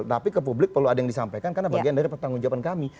tapi ke publik perlu ada yang disampaikan karena bagian dari pertanggung jawaban kami